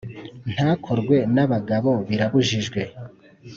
ntakorwe n’abagabo birabujijwe.